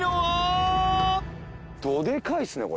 どでかいっすね。